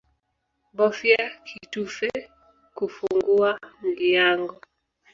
Bofya kitufe kufungua nlyango